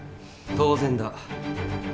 当然だ。